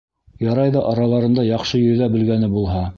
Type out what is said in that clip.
Ярай ҙа араларында яҡшы йөҙә белгәне булһа.